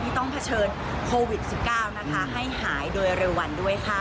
ต้องเผชิญโควิด๑๙นะคะให้หายโดยเร็ววันด้วยค่ะ